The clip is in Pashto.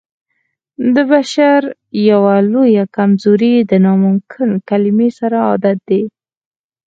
د بشر يوه لويه کمزوري د ناممکن کلمې سره عادت دی.